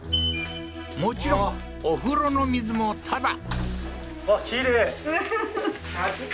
もちろん、お風呂の水もタダ。